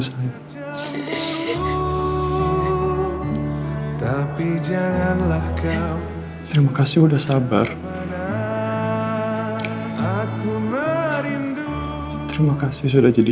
saya akan disini